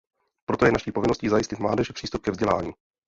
Proto je naší povinností zajistit mládeži přístup ke vzdělání.